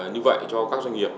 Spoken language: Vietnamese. như vậy cho các doanh nghiệp